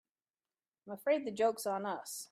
I'm afraid the joke's on us.